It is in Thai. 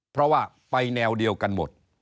เพราะว่าไปแนวเดียวกันหมด